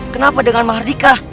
kenapa dengan mahardika